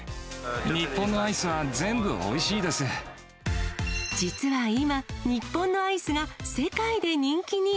日本のアイスは全部おいしい実は今、日本のアイスが世界で人気に。